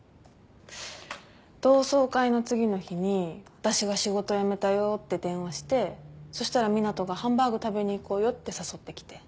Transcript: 同窓会の次の日に私が仕事辞めたよって電話してそしたら湊斗がハンバーグ食べに行こうよって誘ってきて。